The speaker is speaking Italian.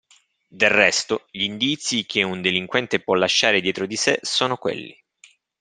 Del resto, gli indizi che un delinquente può lasciare dietro di sé sono quelli.